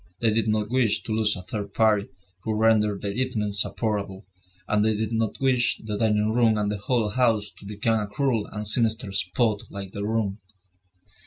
They did not wish to lose a third party who rendered their evenings supportable; and they did not wish the dining room and the whole house to become a cruel and sinister spot like their room.